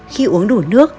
khi uống đủ nước